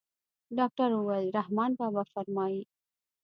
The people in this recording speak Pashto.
ډاکتر وويل رحمان بابا فرمايي.